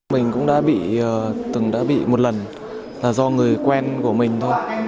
mình cũng đã bị từng đã bị một lần là do người quen của mình thôi